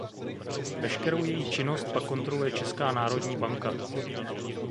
Veškerou její činnost pak kontroluje Česká národní banka.